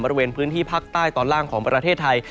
บริเวณพื้นที่ภาคใต้ตอนล่างของประเทศไทย